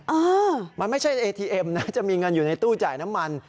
เออมันไม่ใช่เอทีเอ็มนะจะมีเงินอยู่ในตู้จ่ายน้ำมัน